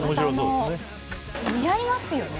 似合いますよね。